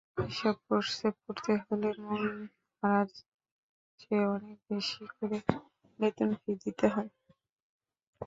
এসব কোর্সে পড়তে হলে মূলধারার চেয়ে অনেক বেশি করে বেতন-ফি দিতে হয়।